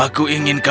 aku ingin ke rumah